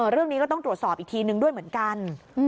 เรื่องนี้ก็ต้องตรวจสอบอีกทีนึงด้วยเหมือนกัน